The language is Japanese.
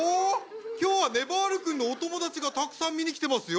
今日はねばる君のお友達がたくさん見に来てますよ。